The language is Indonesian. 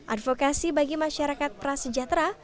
advokasi bagi masyarakat prasejahtera